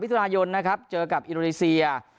๓มิถุนายนเจอกับอิโรเลเซีย